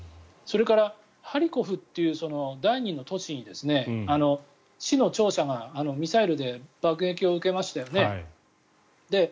それからハリコフという第２の都市に市の庁舎がミサイルで爆撃を受けましたよね。